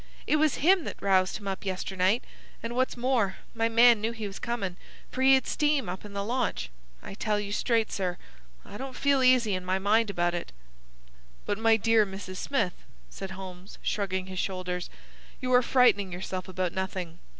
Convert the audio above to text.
It was him that roused him up yesternight, and, what's more, my man knew he was comin', for he had steam up in the launch. I tell you straight, sir, I don't feel easy in my mind about it." "But, my dear Mrs. Smith," said Holmes, shrugging his shoulders, "You are frightening yourself about nothing.